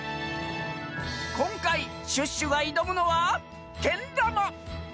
こんかいシュッシュがいどむのはけんだま。